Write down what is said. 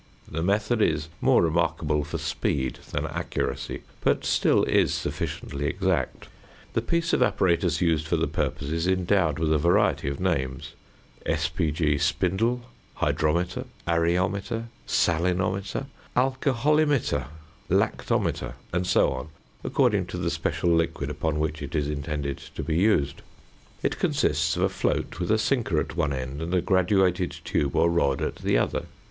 The method is more remarkable for speed than accuracy, but still is sufficiently exact. The piece of apparatus used for the purpose is endowed with a variety of names sp. g. spindle, hydrometer, areometer, salimeter, alcoholimeter, lactometer, and so on, according to the special liquid upon which it is intended to be used. It consists of a float with a sinker at one end and a graduated tube or rod at the other.